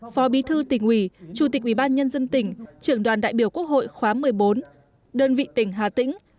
phó bí thư tỉnh ủy chủ tịch ủy ban nhân dân tỉnh trưởng đoàn đại biểu quốc hội khóa một mươi bốn đơn vị tỉnh hà tĩnh